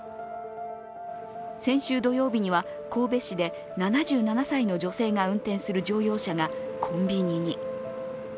先週土曜日には神戸市で７７歳の女性が運転する乗用車がコンビニに。